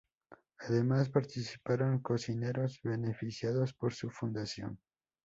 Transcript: Además participaron cocineros beneficiados por su fundación.